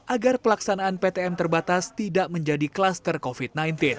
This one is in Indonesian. agar pelaksanaan ptm terbatas tidak menjadi kluster covid sembilan belas